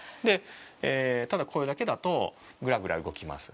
ただ、これだけだとぐらぐら動きます。